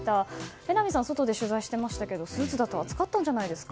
榎並さん外で取材していましたがスーツだと暑かったんじゃないですか？